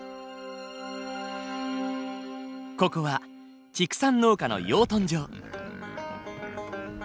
ここは畜産農家の養豚場。